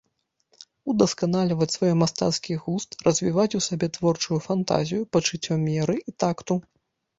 Удасканальваць свой мастацкі густ, развіваць у сабе творчую фантазію, пачуццё меры і такту.